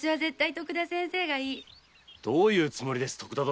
徳田殿どういうつもりです？